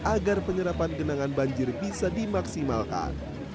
agar penyerapan genangan banjir bisa dimaksimalkan